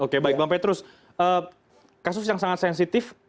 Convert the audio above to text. oke baik bang petrus kasus yang sangat sensitif